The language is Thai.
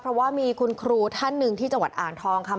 เพราะว่ามีคุณครูท่านหนึ่งที่จังหวัดอ่างทองค่ะ